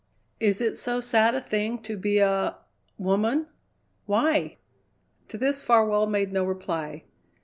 "Is it so sad a thing to be a woman? Why?" To this Farwell made no reply.